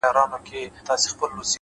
هوښیاري د سم وخت پېژندل دي’